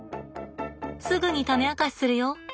すぐに種明かしするよ。